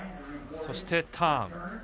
そしてターン。